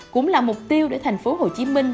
cũng là mục tiêu để thành phố hồ chí minh